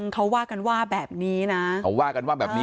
เขาว่ากันว่าแบบนี้นะ